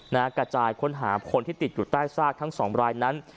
กระจายค้นหาคนที่ติดอยู่ใต้ซากทั้งสองรายนั้น